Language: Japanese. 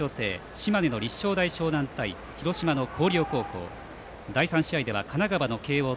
島根の立正大淞南対広島の広陵高校。